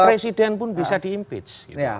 presiden pun bisa diimpeach